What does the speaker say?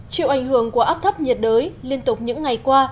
chịu ảnh hưởng của áp thấp nhiệt đới liên tục những ngày qua